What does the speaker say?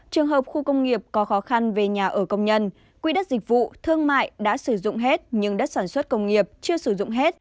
trường hợp khu công nghiệp có khó khăn về nhà ở công nhân quỹ đất dịch vụ thương mại đã sử dụng hết nhưng đất sản xuất công nghiệp chưa sử dụng hết